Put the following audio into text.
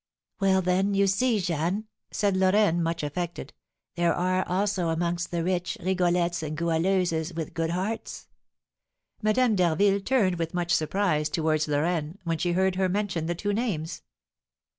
"Well, then, you see, Jeanne," said Lorraine, much affected, "there are also amongst the rich Rigolettes and Goualeuses with good hearts." Madame d'Harville turned with much surprise towards Lorraine when she heard her mention the two names.